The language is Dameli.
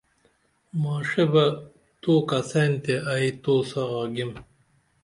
ماڜے بہ تو کڅین تے ائی تو سا آگیم